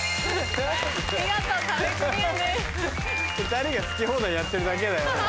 ２人が好き放題やってるだけだよ。